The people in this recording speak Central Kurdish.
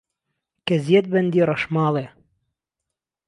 کهزیهت بهندی رهشماڵێ